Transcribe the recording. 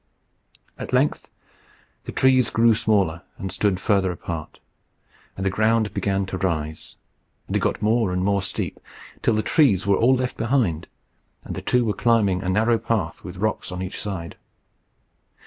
At length the trees grew smaller, and stood farther apart, and the ground began to rise, and it got more and more steep, till the trees were all left behind, and the two were climbing a narrow path with rocks on each side.